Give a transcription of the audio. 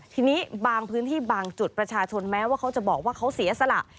ทีนี้บางพื้นที่บางจุดประชาชนแม้ว่าเขาจะบอกว่าเขาเสียสละ